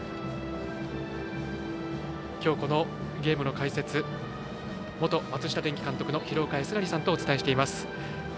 きょう、このゲームの解説元松下電器監督の廣岡資生さんとお伝えしています。